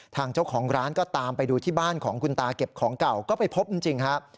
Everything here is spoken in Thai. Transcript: ทางเจ้าของร้านก็ตามไปดูที่บ้านของคุณตาเก็บของเก่าก็ไปพบจริงครับ